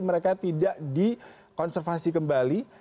mereka tidak dikonservasi kembali